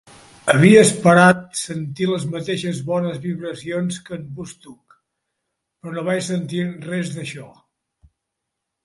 Havia esperat sentir les mateixes bones vibracions que en Woodstock, però no vaig sentir res d'això.